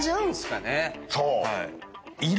そう！